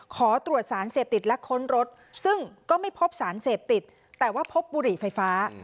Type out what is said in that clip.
ขอตรวจสารเสพติดและค้นรถซึ่งก็ไม่พบสารเสพติดแต่ว่าพบบุหรี่ไฟฟ้า